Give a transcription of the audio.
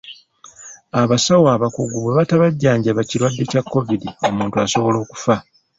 Abasawo abakugu bwe batabajjanjaba kirwadde kya Kovidi omuntu asobola okufa.